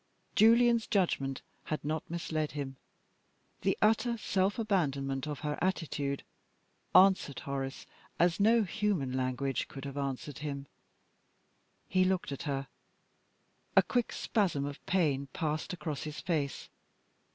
Julian's judgment had not misled him; the utter self abandonment of her attitude answered Horace as no human language could have answered him. He looked at her. A quick spasm of pain passed across his face.